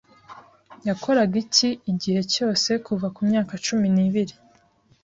Yakoraga iki igihe cyose Kuva kumyaka cumi nibiri